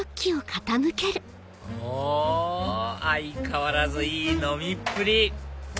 お相変わらずいい飲みっぷり！